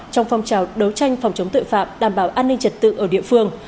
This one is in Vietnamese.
trong phong trào đấu tranh phòng chống tội phạm đảm bảo an ninh trật tự ở địa phương